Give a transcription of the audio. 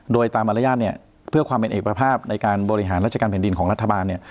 โดยตามมารยาทเนี่ยเพื่อความเป็นเอกภาพในการบริหารราชการแผ่นดินของรัฐบาลเนี่ย